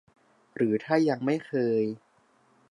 หรือถ้ายังไม่เคย